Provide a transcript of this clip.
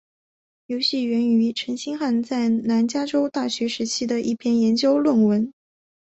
游戏源于陈星汉在南加州大学时期的一篇研究论文。